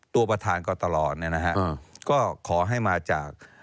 ตัวประธานกรตลอร์ก็ขอให้มาจาก